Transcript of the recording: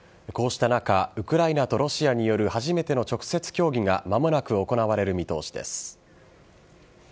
こうした中、ウクライナとロシアによる初めての直接協議がまもなく行われる見通しです。